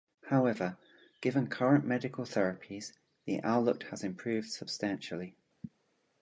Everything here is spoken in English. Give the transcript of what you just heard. However, given current medical therapies, the outlook has improved substantially.